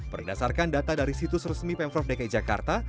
berdasarkan data dari situs resmi pemprov dki jakarta